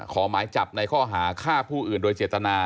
ขอหมายจับในข้อหาฆ่าผู้อื่นโดยเจตนา